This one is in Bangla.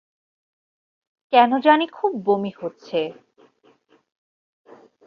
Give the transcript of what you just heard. কেন জানি খুব বমি হচ্ছে।